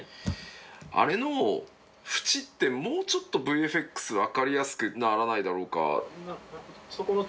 あれの縁ってもうちょっとＶＦＸ分かりやすくならないだろうか？